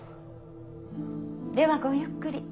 ではごゆっくり。